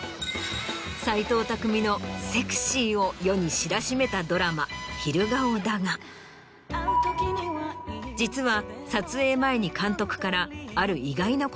斎藤工のセクシーを世に知らしめたドラマ『昼顔』だが実は。